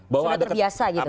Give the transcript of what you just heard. cuma terbiasa gitu